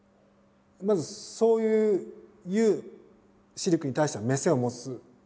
まずそういうシルクに対しての目線を持つ。